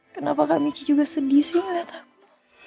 kenapa kak michi juga sedih sih ngeliat aku